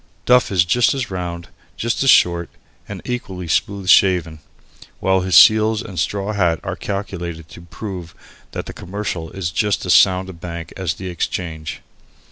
Duff is just as round and just as short, and equally smoothly shaven, while his seals and straw hat are calculated to prove that the Commercial is just as sound a bank as the Exchange.